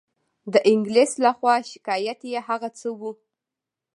د انګلیس له خوا شکایت یې هغه څه وو.